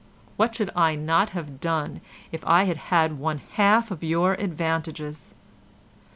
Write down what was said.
What should I not have done if I had had one half of your advantages?